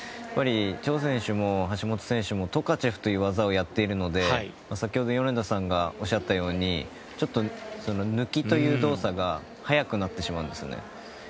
チョウ選手も橋本選手もトカチェフという技をやっているので先ほど、米田さんがおっしゃったようにちょっと抜きという動作が早くなってしまうんですよね。